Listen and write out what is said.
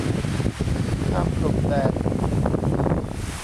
ข้ามพรมแดน